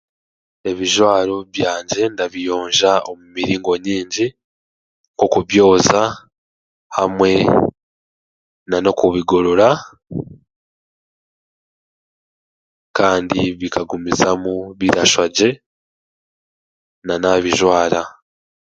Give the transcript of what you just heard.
Ebijwaro byangye ndabiyonja omu miringo nyaingi nk'oku byoza hamwe nan'okubigorora kandi bikagumizamu birashusha gye nanaabijwara